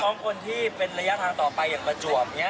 น้องคนที่เป็นระยะทางต่อไปอย่างประจวบอย่างนี้